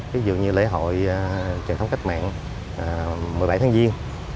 ví dụ như lễ hội truyền thống cách mạng một mươi bảy tháng giêng